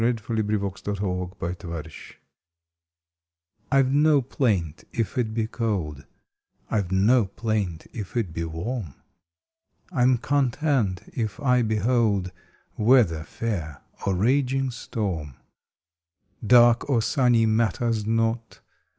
August Twenty first JOY O LIVING I VE no plaint if it be cold, * I ve no plaint if it be warm. I m content if I behold Weather fair or raging storm. Dark or sunny matters not.